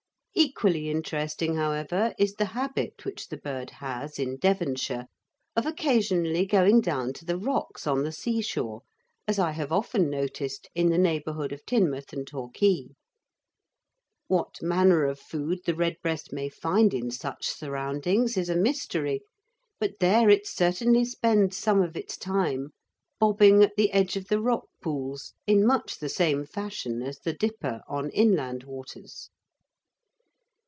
Equally interesting, however, is the habit which the bird has in Devonshire of occasionally going down to the rocks on the seashore, as I have often noticed in the neighbourhood of Teignmouth and Torquay. What manner of food the redbreast may find in such surroundings is a mystery, but there it certainly spends some of its time, bobbing at the edge of the rock pools in much the same fashion as the dipper on inland waters.